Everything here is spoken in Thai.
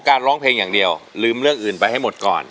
ร้องเพลงอย่างเดียวลืมเรื่องอื่นไปให้หมดก่อน